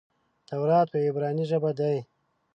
تورات په عبراني ژبه دئ.